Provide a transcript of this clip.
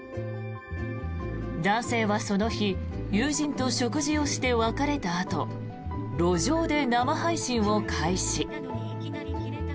男性はその日友人と食事をして別れたあと路上で生配信を開始。